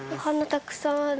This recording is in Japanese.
たくさんある。